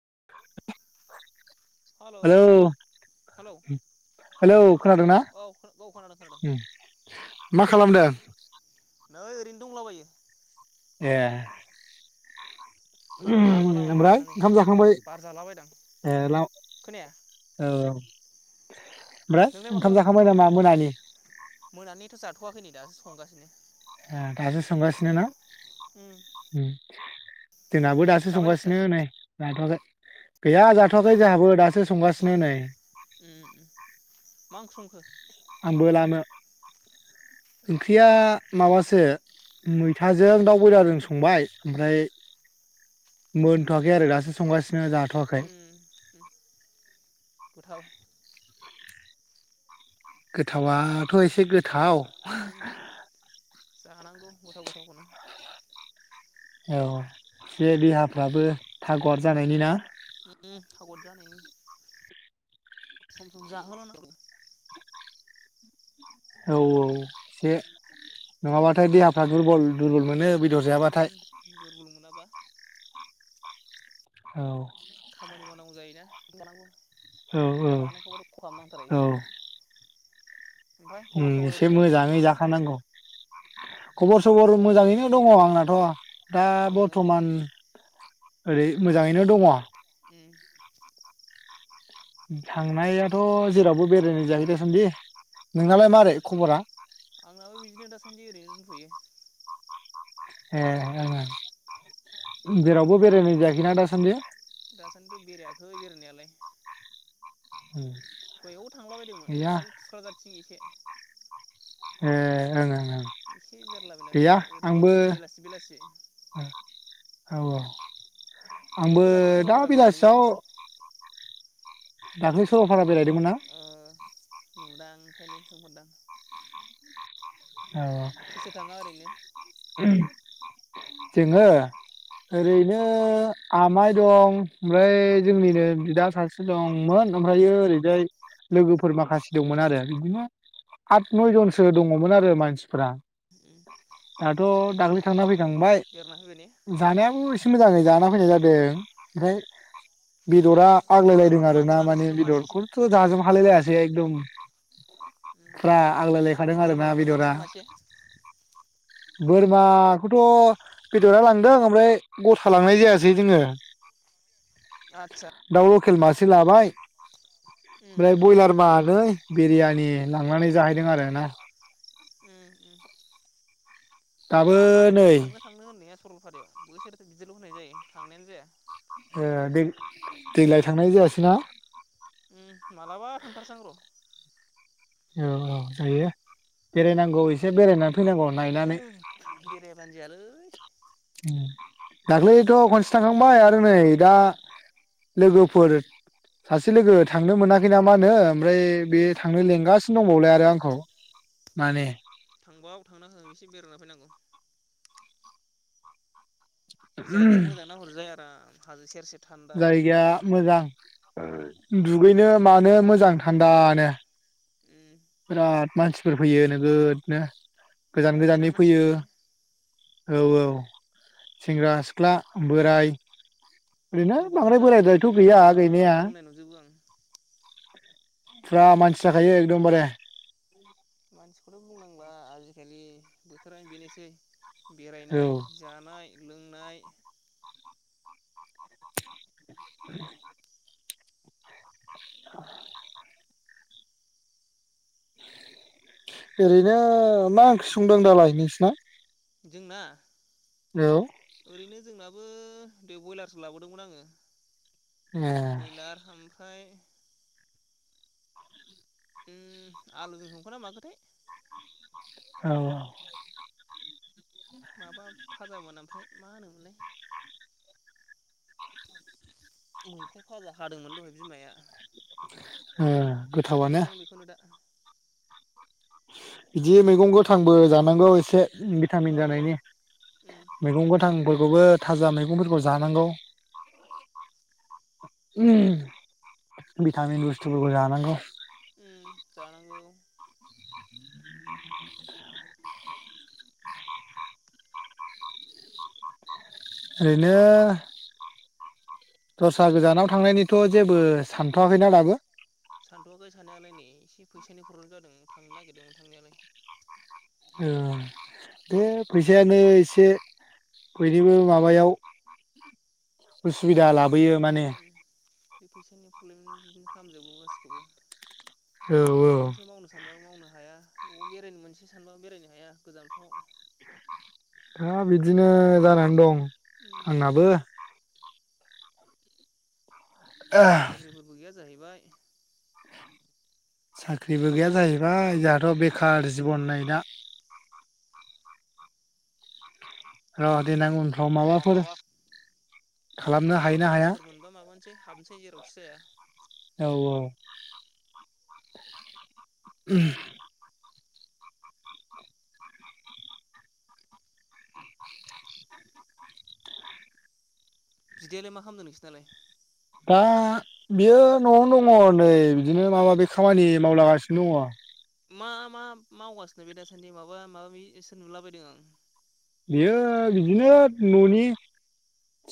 [inaudible] Hello hello hello खोनादोंना? औ खोनादों खोनादों ओम मा खा खालामदों नै ओरैनो दंलाबायो। ए। ओम लामा लामा ओमफ्राय थाबायनानै ओंखाम जाखांबाय? बार जालाबायदां ए ला औ। खोनाया ओमफ्राय नोंलाय मा ओंखाम खालामदों जाखांबाय नामा मोनानि? मोनानिथ' जाथ'वाखै नै दासो संगासिनो। ए दासो संगासिनो ना? ओम जोंनाबो दासो संगासिनो नै। जाथ'आखै गैया जाथ'आखै जाहाबो दासो संगासिनो नै। ओम मा ओंख्रि सं [unintelligible] आंबो दानों ओंख्रिया माबासो मैथाजों दाउ बयलारजों संबाय ओमफ्राय मोनथ'वाखै आरो दासो संगासि ओम ओम गोथाव। गोथावाथ' एसे गो ओम जानांगौ गोथाव गोथावखौनो। औ एसे देहाफ्राबो थागद जानायनि ना? [unintelligible] थागद जानायनि सम सम जाहोलानांगौ। औ औ एसे नङाबाथाय देहाफ्रा दुरबल दुरबल मोनो बिद उम दुरबुल मोनाबा औ खामानि मावनांगौ जायोना जानांगौ औ जानायखौबाथ' खहाब नांथारो एसेबो ओमफ्राय ओम खबर सबर एसे ओरैनो मोजाङै जाखानांगौ खबर सबर मोजाङैनो दङ आंनाथ' दा मोजाङैनो ने बर्थमान ओरै मोजाङैनो दङ उम थांनायाथ' जेरावबो बेरायनाय जाखै दासान्दि नोंनालाय मारै खबरा आंनाबो बिदिनो दासान्दि ओरैनो दोंथ'यो ए ओं ओं जेरावबो बेरायनाय जायाखैना दासान्दि दासानदिथ बेरायाखै बेरायनायालाय उम बैयावबो थांला बदोंमोन गैया ओरै थुक्राझारथिं एसे ए ओं ओं ओं एसे बेरलाबायना गैया फैबाय ओरैनो आंबो बेलासि बेलासि औ औ आंबो नोंसोरबो दाख्लै दा सरलपारा बेरायदोंलै बेलासियाव दाख्लै सर'लपारा बेरायदोंमोन ना ओ नुदां ओंखायनो सोंहरदां सोर सोर थाङा ओरैनो औ [inaudible] जोङो उम ओरैनो आमाइ दं ओमफ्राय जोंनिनो बिदा सासे दंमोन ओमफ्रायो ओरैजाय लोगोफोर माखासे दंमोन आरो बिदिनो आत नयजनसो दङमोन आरो मानसिफ्रा उम दाथ' दाख्लै थांना फैखांबा बेरायना फैबाय ने जानायाबो एसे मोजाङै जाना उम फैनाय जादों ओमफ्राय बेदरा आग्लायलायदों बोरमाफोर आरो ना लांदोंना माने नोंसोरथ' मासेसो बेदरखौथ' जाजोब हालायलायासै एकदम उम फ्रा आग्लायलायखादों आरो बोरमा ना लांदोंना बेदरा नोंसोर मासे बोरमाखौथ' बेदरा लांदों ओमफ्राय गथा लांनाय जायासै जोङो आतसा खेल मासे लाबाय उम ओमफ्राय ब्रयलार मानै बिरियानि लांनानै जाहैदों आरो ना उम उम दाबो गैया आंहा देग नै थांनायानो जाया ए दे देग्लाय थांनाय जायासै ना खान्थार सां र औ औ जायो बेरायनांगौ एसे बेरायनानै फैनांगौ नायनानै उम बेरायाबानो जायालै दाख्लैथ' खनसे थांखांबाय आरो नै दा लोगोफोर सासे लोगो थांनो मोनाखै ना मा होनो ओमफ्राय बे उम थांनो लेंगासि दंबावलाय आरो आंखौ माने थांबाव थांना हो एसे बेरायना फैनांगौ जायगाया मोजांना हरजाय आराम हाजो सेरसेेर जायगाया मोजां दुगैनो भुटान मानो हादोरनि मोजां दै फैनाय थान्दानो उम बिराद मानसिफोर फैयो नोगोदनो गोजान हाब बिराद गोजाननि मानसि फैयो ने औ औ सेंग्रा सिख्ला बोराय ओरैनो रबारावथ' बांद्राय जा मानसि बोरायद्रायथ' फैयो ना गैया बा गैनाया बुंनाय नुजोबो आं फुरा मानसि जाखायो एकदमबारे मानसिखौथ' बुंनांला आजिखालि बोथोरानो बेनोसै औ बेरायनाय जानाय लोंनाय [inaudible] [inaudible] ओरैनो मा ओंख्रि संदों दालाय नोंसिना जोंना औ ओरैनो जोंनाबो देव बयलारसो लाबोदोंमोन आङो ए बयलार ओमफ्राय आलुजों संखोना माखोथाय औ औ माबा फाजामोन ओमफ्राय मा होनोमोनलाय मैफ्राय भाजा हादोंमोन दहाय बिमाया ए संबायदां बेखौनो दा बिदि मैगं गोथांबो जानांगौ एसे भिटामिन औ जानायनि उम मैगं गोथांबो बेखौबो थाजा मैगंफोरखौ जानांगौ भिटामिन बुस्थुफोरखौ जानांगौ उम जानांगौ ओरैनो दस्रा गोजानाव थांनायनिथ' जेबो सानथ'वाखैना दाबो सानथ'वाखै साननायालाय नै एसे फैसानि प्रब्लेम जादों थांनो नागिरदोंमोन थांनायालाय ओ बे फैसायानो एसे बयनिबो माबायाव उसुबिदा लाबो बे फैसानि प्रब्लेम खालामजोबो गासिखौबो औ माबा औ मोनसे मावनो सानबाबो मावनो हाया अबाव बेरायनो मोनसे सानबाबो बेरायनो हाया गोजानफ्राव हा बिदिनो जानानै दं उम आंनाबो साख्रि बाख्रिफोरबो गैया जाहैबाय साख्रिबो गैया जाहैबाय जोंहाथ' उम बेखार जिबननाय दा र देनां उनफ्राव माबाफोर माबा खालामनो उनफ्राव हायोना हाया सान्सफोर मोनबा माबानोसै हाबसै जेराव बसाया औ औ [inaudible] बिदायालाय मा खालामदों नोंसोर नालाय दा बियो न'आवनो दङ नै बिदिनो माबा माबि खामानि मावलागासिनो दङ मा मा मावगासिनो बे दासान्दि माबा माबासो नुलाबायदों आं बियो बिदिनो न'नि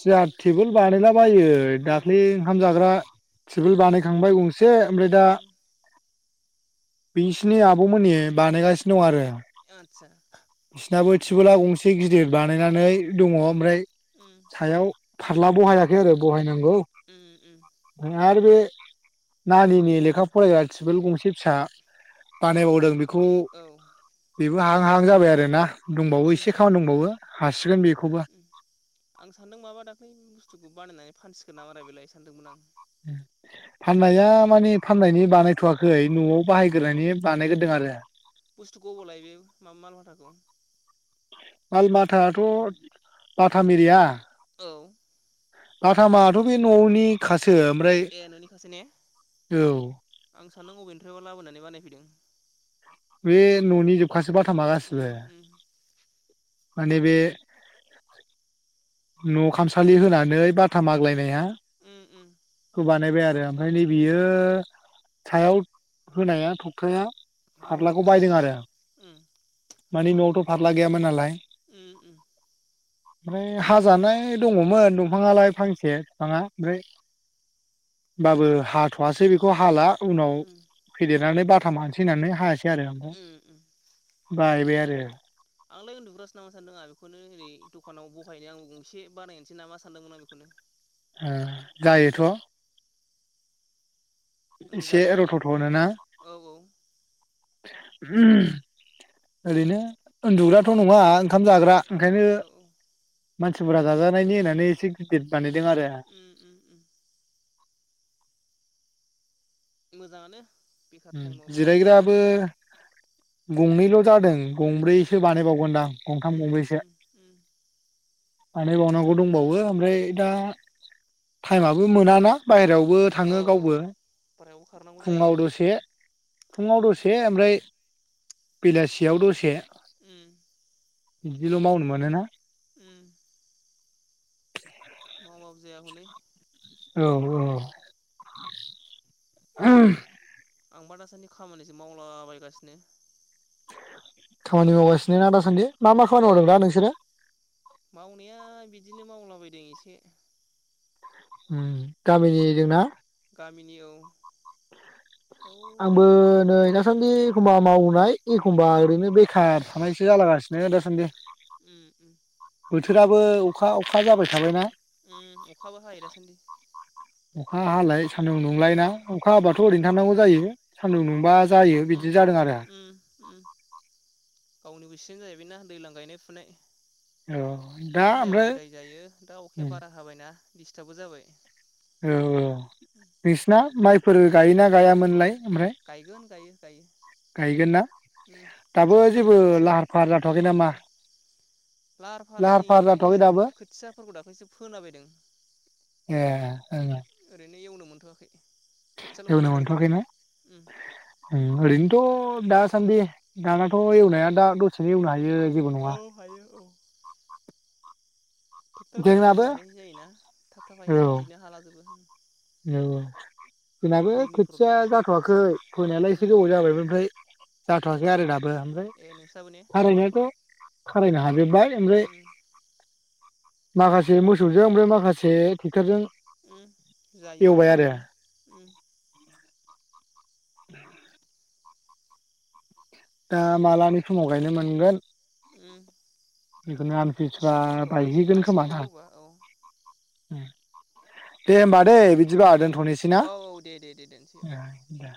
चेयार टेबोल बानायला बायो उम दाखलि ओंखाम जाग्रा थिबोल बानायखांबाय गंसे से ओमफ्राय दा उम बिसिनि आब'मोननि बानायगासिनो दं आरो आचसा बिसिनाबो थिबोला गंसे गिदिर बानायनानै दङ ओमफ्राय ओम सायाव फार्ला बहायाखै आरो बहाय नंगौ उम उम आरो बे नानिनि लेखा फरायाग्रा थिबोल गंसे फिसा बानायबावदों बे खौ औ बे बेबो हां हाहां जाबाय आरो ना दंबावो उम एसे खामानि दंबावो हासिगोन बेखौ आं सान्दों माबा दाखै बुस्थुखौ बानायनानै फानसिगोन नामा बेलाय सानदोंमोन आं फाननाया मानि फाननायनि बानायथ'वाखै खै न'आव उम बाहायग्रोनानै बानायग्रो दों आरो बुस्थुखौ अबाव लायो बे मा-मालबाथाखौ माल माथायाथ' बाथामेरिया औ बाथामाथ' बे न'नि खासो सो ओमफ्राय ए न'नि खासे ने औ आं सानदों बबेनिफ्रायबा लाबोनानै बानायफैदों बे न'नि जोबखा सो बाथामा गासैबो उम उम माने बे न' खामसालि होनानै बाथा माग्लायनाया उम उम खौ बानायबाय आरो आरो ओमफ्राय नै बियो सायाव होनाया थखथाया माव फारलाखौ मानि न'आवथ' फार्ला गैयामोन नालाय उम उम ओमफ्राय हाजानाय दङमोन दंफाङालाय फांसे बिफाङा ओमफ्राय होनबाबो हाथ'वासै बेखौ हाला उनाव उम फेदेर ननानै बाथा मानसै होननानै हाय [unintelligible] आरो उम उम ओमफ्राय बायबाय आरो दे आंलाय उन्दुग्रासो नामा सानदों आं बेखौनो ओरै दखानाव बहायनो आं गंसे बानायनोसै नामा सानदोंमोन आं बेखौनो ओ जायोथ' एसे उन्दुजागोनबो ने रथ' थनो ना औ औ ओम ओरैनो उन्दुग्राथ' नङा ओंखाम जाग्रा। ओंखायनो औ औ मानसिफोरा जाजानायनि होननानै एसे गिदिर बानाय दिमार [unintelligible] उम उम उम मोजाङानो बेखार टाइमाव बिदिफोर जिरायग्राबो बाननानै गंनैल' जादों गंब्रैसो बानायबावगोन दा ओम ओम ओम। बानाय बावनांगौ दं बावो ओमफ्राय दा टाइमाबो मोनाना। बायेरायावबो औ थाङो गावबो बारायावबो खारनांगौ फुङाव जायो दसे फुङाव दसे ओमफ्राय बेलासियाव दसे। उम [inaudible] बिदिल' मावनो मोनो ना। ओम। मावाबाबो जाया हनै। औ औ। आं बा दासोनि खामानिसो मावलाबायगासिनो। खामानि मावगासिनो ना दासान्दि? मा मा खामानि औ मावदों दा औ नोंसोरो मावनाया बिदिनो मावलाबायद जों एसे ओम गामिनि जोंना? गामिनि औ। आंबो औरैजाय नै दासान्दि एखमबा मावनाय एखमबा ओरैनो बेखार थानायसो जालागासिनो। नै दा सानदि। ओम। बोथोराबो अखा अखा जाबाय थाबायना। उम अखाबो हायो दासान्दि अखा हालाय सान्दुं दुंलाय ना अखा हाबाथ' ओरैनो थांनांगौ जायो सान्दुं दुंबा जायो उम बिदि जादों आरो। उम बेनो जाहोयबाय दैलां गायनाय फुनाय। औ दा अखा ओमफ्राय हायाबाबो दाय जायो दा उम अखाया बारा हाबायना। दिस्टार्बबो जाबाय। औ औ नोंसिना माइ फोर गायोना गायामोनलाय। ओमफ्राय गायगोन गायो। गायो। गायगोन ना उम दाबो खोथियाखौ माने जेबो दाख्लैसो लाहार फाहार फोनो जाथ'वाखै नामा मोनदों लाहार फाहारा नै फाहार जाथ'वाखै दाख्लैसो दाबो खोथियाफोरखौ दाख्लैसो फोलाबायदों ए ओं ओरैनो एवनो मोनथ'वाखै। खोथियाल' फोना एवनो दोनग्रोदों। मोनथ'वाखैना उम उम ओरैनोथ' थ' दासान्दि दानाथ' एवनाया दा दसेनो एवनो हा औ हायो औ। ट्रेक्ट'रफोरजों जोंनाबो एवनानै जायोना थाब-थाब औ हायो सानसेनो हालाजोबो। औ जोंनाबो दैनि खोथिया प्रब्लेम एसे जाथ'वाखै जाम्फै फोनायालाय एसे उम गोबाव जाबाय ओमफ्राय जा थ'याखै आरो ना। हा ओमफ्राय ए नोंस्राबो ने थारैनयाथ' खारायनो हायो। जोब्बाय ओमफ्राय। उम माखासे मोसौजों ओमफ्राय माखासे ट्रेक्टरजों उम जायो एवबाय आरो जेरैबो उम। [unintelligible] दा मालानि समाव गायनो मोनगोन। उम बेखौनो आमथिसुवा एसे उनफ्राव गायसै बायहैगोन खोमा खोथियाबो दां। जौबा औ उम दे होमबा दैे बिदिबा दोन थ'नोसै ना औ औ दे दे दे दोनसै औ ए दे।